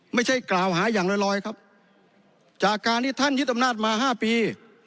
ไม่ใช่กล่าวหาอย่างลอยครับจากการที่ท่านยึดอำนาจมา๕ปี